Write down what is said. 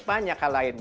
banyak hal lain